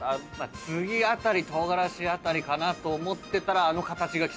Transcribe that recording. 次あたりトウガラシあたりかなと思ってたらあの形が来たので。